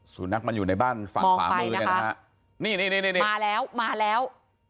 สูญนักมันอยู่ในบ้านฝั่งฝามือนะคะนี่มาแล้ว